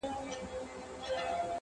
د وخت مجنون يم ليونى يمه زه;